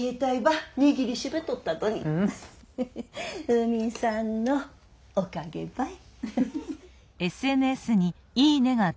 海さんのおかげばい。